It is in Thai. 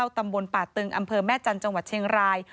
ตำบลป่าตึงอแม่จันทร์จเชียงราย